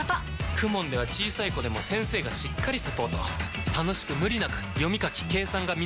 ＫＵＭＯＮ では小さい子でも先生がしっかりサポート楽しく無理なく読み書き計算が身につきます！